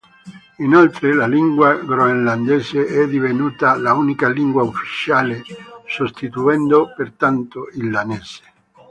Inoltre, la lingua groenlandese è divenuta l'unica lingua ufficiale, sostituendo pertanto il danese.